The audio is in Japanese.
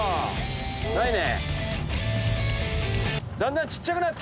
ないね。